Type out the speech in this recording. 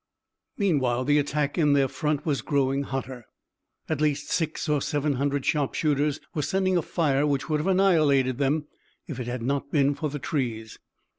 Meanwhile the attack in their front was growing hotter. At least six or seven hundred sharpshooters were sending a fire which would have annihilated them if it had not been for the trees.